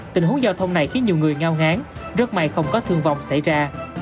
tình huống giao thông này khiến nhiều người ngao ngán rất may không có thương vong xảy ra